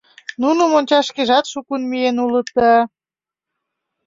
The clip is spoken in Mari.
Нуным ончаш шкежат шукын миен улыда.